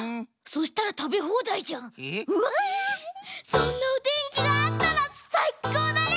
そんなおてんきがあったらさいこうだね！